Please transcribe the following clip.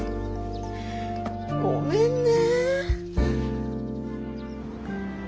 ごめんね。